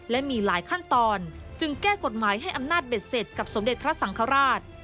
และมีหลายขั้นตอนจึงแก้กฎหมายให้อำนาจเบ็ดเสร็จกับสมเด็จพระสังฆราช